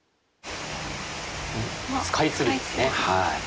スカイツリーですね。